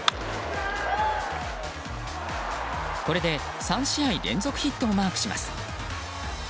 これで３試合連続ヒットをマークします。